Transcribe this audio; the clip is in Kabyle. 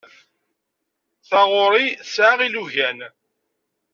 Taɣuri tesɛa ilugan.